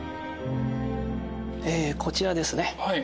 こちらですね。